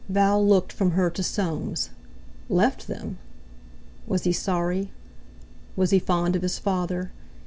Val looked from her to Soames. Left them! Was he sorry? Was he fond of his father?